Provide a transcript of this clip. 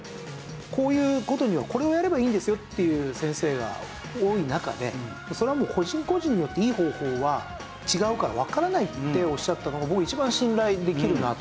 こういう事にはこれをやればいいですよっていう先生が多い中でそれはもう個人個人によっていい方法は違うからわからないっておっしゃったのが僕一番信頼できるなと。